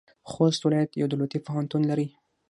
خوست ولایت یو دولتي پوهنتون لري.